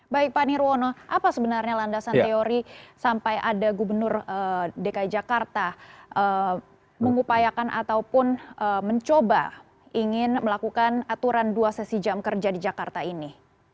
baik pak nirwono apa sebenarnya landasan teori sampai ada gubernur dki jakarta mengupayakan ataupun mencoba ingin melakukan aturan dua sesi jam kerja di jakarta ini